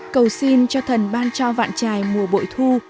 cầu xin cho thần ban cho vạn trài mùa bội thu